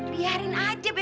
biarin aja be